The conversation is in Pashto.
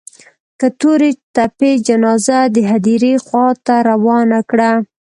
که تورې تپې جنازه د هديرې خوا ته روانه کړه.